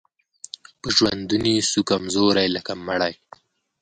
په ژوندوني سو کمزوری لکه مړی